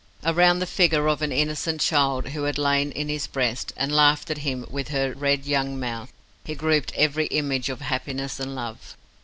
Around the figure of the innocent child who had lain in his breast, and laughed at him with her red young mouth, he grouped every image of happiness and love.